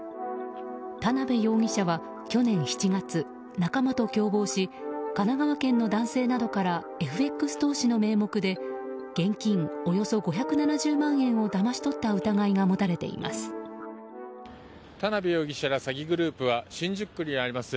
田辺容疑者は去年７月仲間と共謀し神奈川県の男性などからＦＸ投資の名目で現金およそ５７０万円をだまし取った疑いが田辺容疑者ら詐欺グループは新宿区にあります